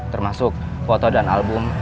termasuk foto dan album